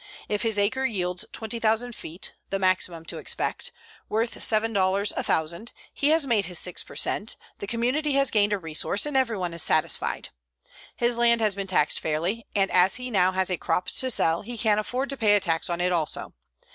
If his acre yields 20,000 feet (the maximum to expect), worth $7 a thousand, he has made his 6 per cent, the community has gained a resource, and everyone is satisfied. His land has been taxed fairly and as he now has a crop to sell he can afford to pay a tax on it also.